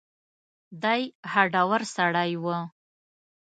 دی هډور سړی و.